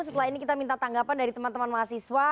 setelah ini kita minta tanggapan dari teman teman mahasiswa